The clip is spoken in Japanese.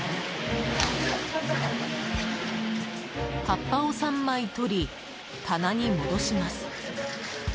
葉っぱを３枚取り棚に戻します。